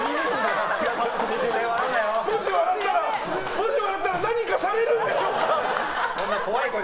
もし笑ったら何かされるんでしょうか？